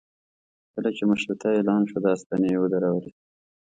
کله چې مشروطه اعلان شوه دا ستنې یې ودرولې.